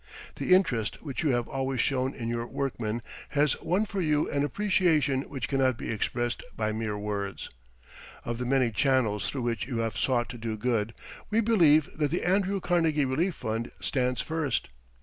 The interest which you have always shown in your workmen has won for you an appreciation which cannot be expressed by mere words. Of the many channels through which you have sought to do good, we believe that the "Andrew Carnegie Relief Fund" stands first.